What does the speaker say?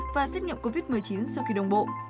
và xét nghiệm covid một mươi chín sau khi đồng bộ